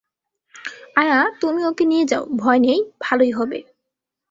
আয়া, তুমি ওঁকে নিয়ে যাও, ভয় নেই, ভালোই হবে।